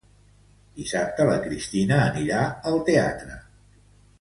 Dissabte la Cristina anirà al teatre